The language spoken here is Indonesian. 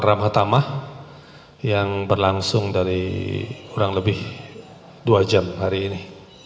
ramhatamah yang berlangsung dari kurang lebih dua jam hari ini